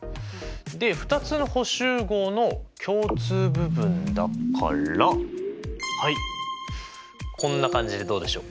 で２つの補集合の共通部分だからはいこんな感じでどうでしょう？